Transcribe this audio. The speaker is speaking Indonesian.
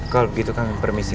kalau begitu kan permisi